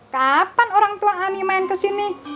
kapan orang tua ani main kesini